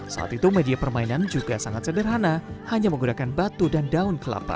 saat itu media permainan juga sangat sederhana hanya menggunakan batu dan daun kelapa